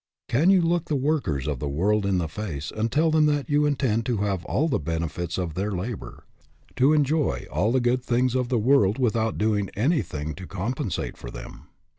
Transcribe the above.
Can you look the workers of the world in the face and tell them that you intend to have all the benefits of their labor, to enjoy all the good things of the world without doing anything to compensate for them?